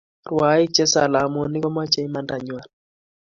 Rwaik che salamonik komache imandanywan